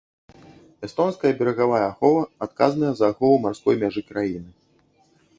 Эстонская берагавая ахова адказная за ахову марской мяжы краіны.